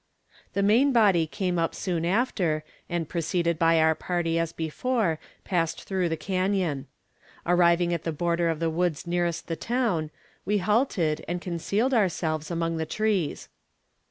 The main body came up soon after, and preceded by our party as before, passed through the canon. Arriving at the border of the woods nearest the town, we halted, and concealed ourselves among the trees.